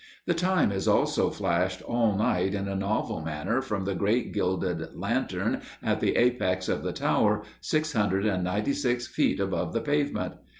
The time is also flashed all night in a novel manner from the great gilded "lantern" at the apex of the tower, 696 feet above the pavement.